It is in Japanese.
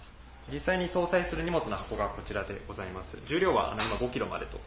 実際に搭載する荷物の箱がこちらでございます。